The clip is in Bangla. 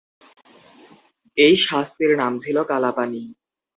এই শাস্তির নাম ছিল কালাপানি।